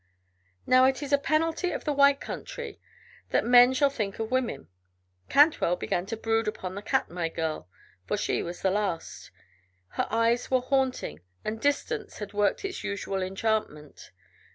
Now it is a penalty of the White Country that men shall think of women; Cantwell began to brood upon the Katmai girl, for she was the last; her eyes were haunting and distance had worked its usual enchantment.